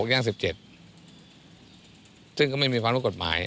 ๑๖ย้าง๑๗ซึ่งเขาไม่มีความรู้กฎหมาย